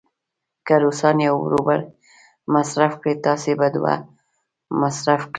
که روسان یو روبل مصرف کړي، تاسې به دوه مصرف کړئ.